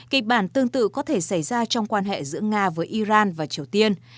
kịch bản tương tự có thể xảy ra trong quan hệ giữa nga với iran và triều tiên